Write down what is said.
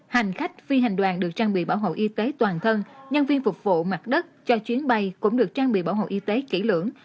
hành khách phi hành đoàn được trang bị bảo hộ y tế toàn thân nhân viên phục vụ mặt đất cho chuyến bay cũng được trang bị bảo hộ y tế kỹ lưỡng